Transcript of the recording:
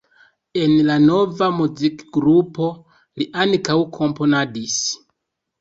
En la nova muzikgrupo li ankaŭ komponadis.